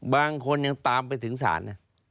บางคนยังตามไปถึงศาลนะ